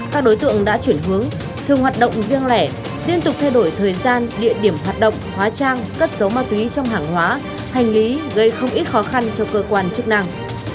các đối tượng đã chuyển hướng thường hoạt động riêng lẻ liên tục thay đổi thời gian địa điểm hoạt động hóa trang cất giấu ma túy trong hàng hóa hành lý gây không ít khó khăn cho cơ quan chức năng